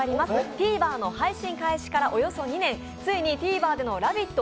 Ｔｖｅｒの配信開始からおよそ２年、ついにＴＶｅｒでの「ラヴィット！」